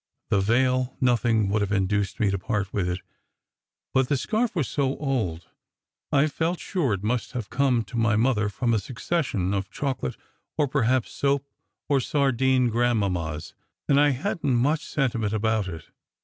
The veil nothing would have induced me to part with; but the scarf was so old, I felt sure it must have come to my mother from a succession of chocolate or perhaps soap or sardine grandmammas, and I hadn t much sentiment about it.